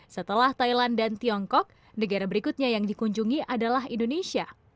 setelah thailand dan tiongkok negara berikutnya yang dikunjungi adalah indonesia